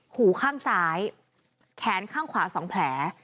หูข้างซ้ายแขนข้างขวา๒แผล